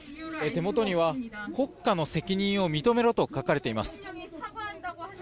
手元には「国家の責任を認めろ」と書かれています。